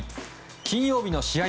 金曜日の試合